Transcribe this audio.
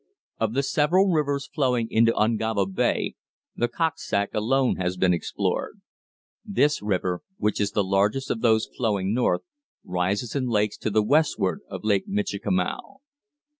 Of the several rivers flowing into Ungava Bay, the Koksoak alone has been explored. This river, which is the largest of those flowing north, rises in lakes to the westward of Lake Michikamau.